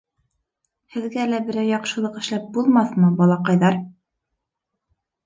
Һеҙгә лә берәй яҡшылыҡ эшләп булмаҫмы, балаҡайҙар?